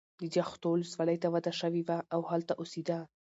د جغتو ولسوالۍ ته واده شوې وه او هلته اوسېده.